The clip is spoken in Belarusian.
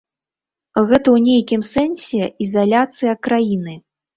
Гэта ў нейкім сэнсе ізаляцыя краіны.